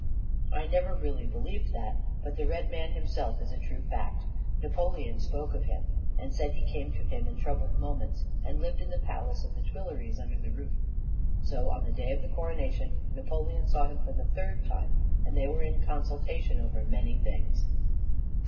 I never really believed that. But the Red Man himself is a true fact. Napoleon spoke of him, and said he came to him in troubled moments, and lived in the palace of the Tuileries under the roof. So, on the day of the coronation, Napoleon saw him for the third time; and they were in consultation over many things.